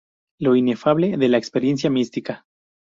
Lo inefable de la experiencia mística.